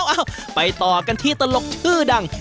เอ้าไปต่อกันที่ตลกชื่อดัง